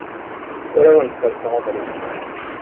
Ur awent-ferrseɣ abrid.